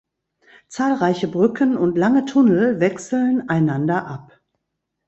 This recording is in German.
Zahlreiche Brücken und lange Tunnel wechseln einander ab.